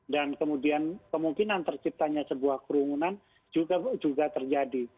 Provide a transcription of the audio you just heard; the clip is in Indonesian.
dan kemudian kemungkinan terciptanya sebuah kerumunan juga terjadi